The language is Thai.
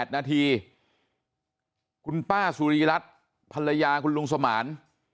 ๘นาทีคุณป้าสุริรัตน์ภรรยาคุณลุงสมาน